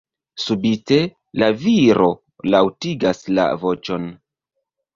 Subite, la viro laŭtigas la voĉon.